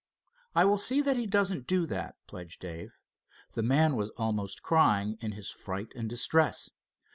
"I will see that he doesn't do that," pledged Dave. The man was almost crying in his fright and distress.